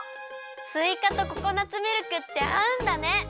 すいかとココナツミルクってあうんだね！